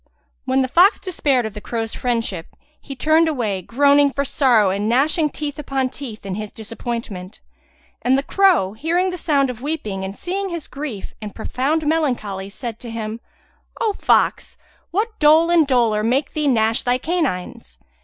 When the fox despaired of the crow's friendship, he turned away, groaning for sorrow and gnashing teeth upon teeth in his disappointment; and the crow, hearing the sound of weeping and seeing his grief and profound melancholy, said to him, "O fox, what dole and dolour make thee gnash thy canines?"